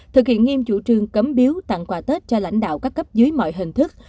thực hiện nghiêm chủ trương cấm biếu tặng quà tết cho lãnh đạo các cấp dưới mọi hình thức